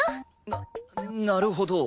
ななるほど。